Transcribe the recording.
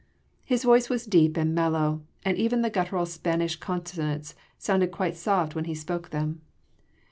His voice was deep and mellow and even the guttural Spanish consonants sounded quite soft when he spoke them.